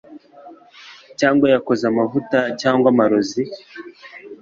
cyangwa yakoze amavuta cyangwa amarozi